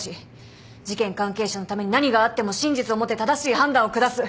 事件関係者のために何があっても真実をもって正しい判断を下す。